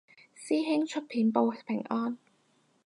師兄出片報平安